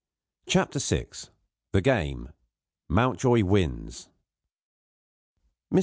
CHAPTER VI THE GAME: MOUNTJOY WINS MR.